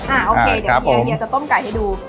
อ่าโอเคเดี๋ยวเฮียจะต้มไก่ให้ดู